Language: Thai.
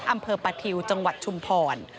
อำเภอปะทิวจังหวัดชุมพร